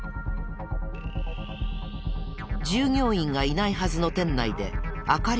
従業員がいないはずの店内で明かりがついた。